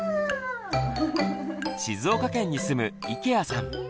静岡県に住む池谷さん。